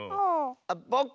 あっぼく？